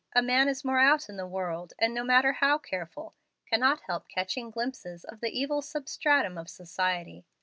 A man is more out in the world, and, no matter how careful, cannot help catching glimpses of the evil substratum of society.